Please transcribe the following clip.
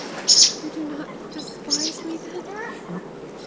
"You do not despise me, then?